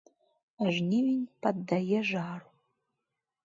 А жнівень паддае жару.